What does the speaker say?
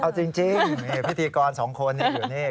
เอาจริงพิธีกร๒คนอยู่นี่